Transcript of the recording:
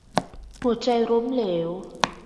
- หัวใจล้มเหลว